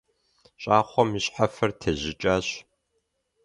ЩӀакхъуэм и щхьэфэр тежьыкӀащ.